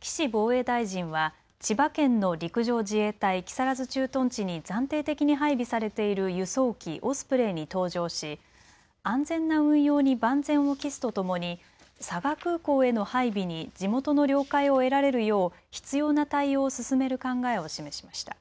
岸防衛大臣は千葉県の陸上自衛隊木更津駐屯地に暫定的に配備されている輸送機、オスプレイに搭乗し安全な運用に万全を期すとともに、佐賀空港への配備に地元の了解を得られるよう必要な対応を進める考えを示しました。